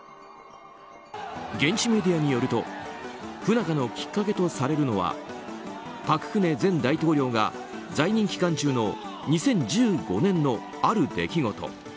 現地メディアによると不仲のきっかけとされるのは朴槿惠前大統領が在任期間中の２０１５年のある出来事。